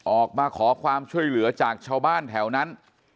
ออกมาขอความช่วยเหลือจากชาวบ้านแถวนั้น